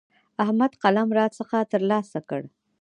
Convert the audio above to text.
احمد قلم راڅخه تر لاسه کړ.